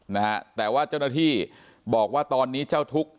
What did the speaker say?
นะฮะแต่ว่าเจ้าหน้าที่บอกว่าตอนนี้เจ้าทุกข์